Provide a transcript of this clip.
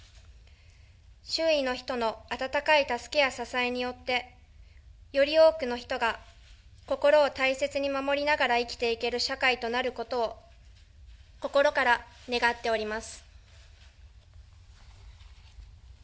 周囲の人の温かい助けや支えによって、より多くの人が心を大切に守りながら生きていける社会となることを、心から願っております。